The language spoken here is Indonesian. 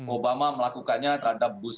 obama melakukannya terhadap bush junior ya